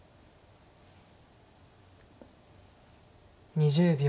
２０秒。